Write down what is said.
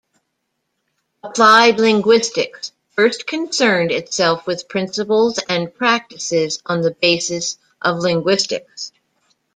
Applied linguistics first concerned itself with principles and practices on the basis of linguistics.